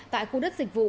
tại khu đất dịch vụ